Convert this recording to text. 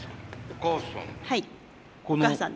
お母さん？